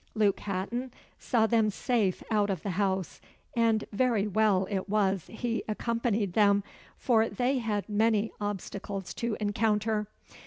Luke Hatton saw them safe out of the house, and very well it was he accompanied them, for they had many obstacles to encounter.